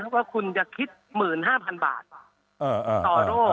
ว่าคุณจะคิด๑๕๐๐๐บาทต่อโรค